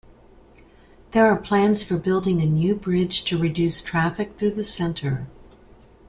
There are plans for building a new bridge to reduce traffic through the center.